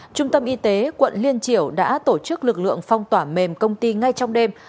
trung tâm y tế quận liên triểu đã tổ chức lực lượng phong tỏa mềm công ty ngay trong đêm